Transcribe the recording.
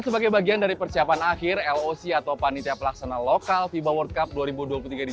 sebagai bagian dari persiapan akhir loc atau panitia pelaksana lokal fiba world cup dua ribu dua puluh tiga ini